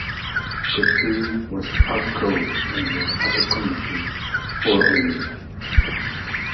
Coutu was out cold and was out of commission for a week.